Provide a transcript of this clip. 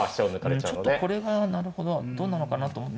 ちょっとこれがなるほどどうなのかなと思って。